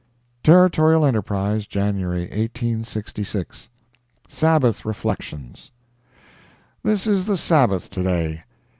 Territorial Enterprise, January 1866 SABBATH REFLECTIONS This is the Sabbath to day.